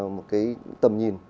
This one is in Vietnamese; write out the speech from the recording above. một cái tầm nhìn